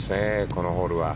このホールは。